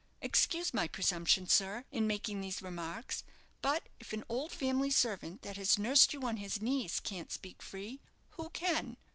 Excuse my presumption, sir, in making these remarks; but if an old family servant that has nursed you on his knees can't speak free, who can?"